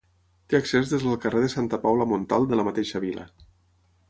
Té accés des del carrer de Santa Paula Montalt de la mateixa vila.